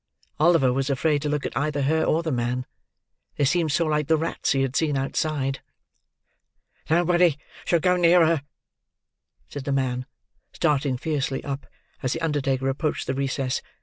Oliver was afraid to look at either her or the man. They seemed so like the rats he had seen outside. "Nobody shall go near her," said the man, starting fiercely up, as the undertaker approached the recess.